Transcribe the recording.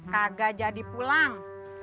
kagak jadi pulang